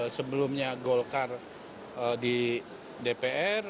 sebelumnya golkar di dpr